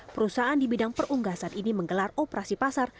perusahaan di bidang perunggasan ini menggelar operasi pasar